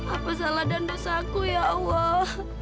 apa salah dan dosaku ya allah